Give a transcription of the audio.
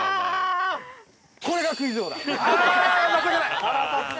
◆これがクイズ王だ！